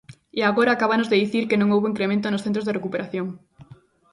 E agora acábanos de dicir que non houbo incremento nos centros de recuperación.